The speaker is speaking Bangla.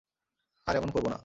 আর এমন করবো না।